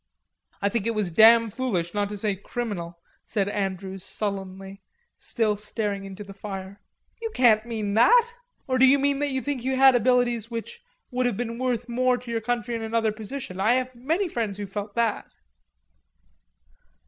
"I think it was damn foolish, not to say criminal," said Andrews sullenly, still staring into the fire. "You can't mean that. Or do you mean that you think you had abilities which would have been worth more to your country in another position?... I have many friends who felt that."